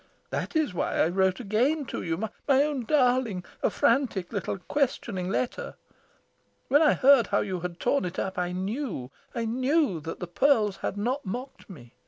That is why I wrote again to you, my own darling a frantic little questioning letter. When I heard how you had torn it up, I knew, I knew that the pearls had not mocked me.